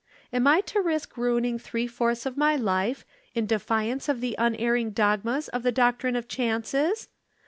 Am I to risk ruining three fourths of my life, in defiance of the unerring dogmas of the Doctrine of Chances?